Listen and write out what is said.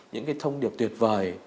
những cái thông điệp tuyệt vời